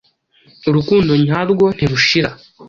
Urukundo nyarwo ntirushira!